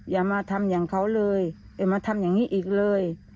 อย่ามาทำอย่างเขาเลยอย่ามาทำอย่างนี้อีกเลย